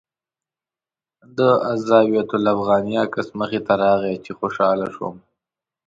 د الزاویة الافغانیه عکس مخې ته راغی چې خوشاله شوم.